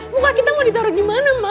muka kita mau ditaruh di mana mbak